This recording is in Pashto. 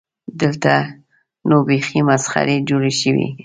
دلته نو بیخي مسخرې جوړې شوې.